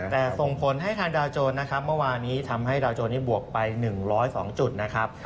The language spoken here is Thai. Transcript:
แต่ส่งผลให้ทางดาวโจรนะครับเมื่อวานี้ทำให้ดาวโจรนี้บวกไป๑๐๒จุดนะครับ